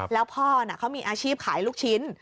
แล้วพ่อเขามีอาชีพขายลูกชิ้น